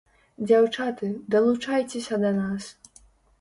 Дзяўчаты, далучайцеся да нас.